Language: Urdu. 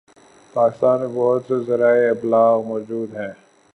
پاکستان میں بہت سے ذرائع ابلاغ موجود ہیں